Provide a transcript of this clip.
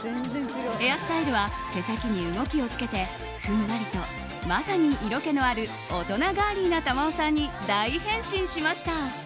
ヘアスタイルは毛先に動きをつけてふんわりと、まさに色気のある大人ガーリーな珠緒さんに大変身しました。